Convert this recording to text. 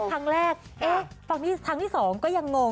ทั้งแรกทั้งที่สองก็ยังงง